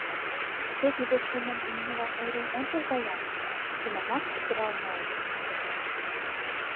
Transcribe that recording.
Те тиде чыным нунылан ойлен ончыза-ян, тунамак пӱтырал налыт.